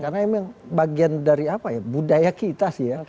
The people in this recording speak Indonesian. karena emang bagian dari apa ya budaya kita sih ya